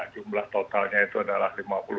jumlah totalnya itu adalah lima puluh